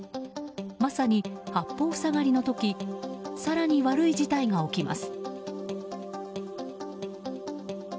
まさに八方塞がりの時更に悪い事態が起きます。